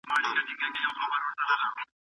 هغه وایي چې د هرې پېښې تر شا خبر وي.